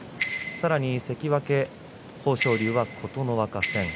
さらに関脇、豊昇龍は琴ノ若戦。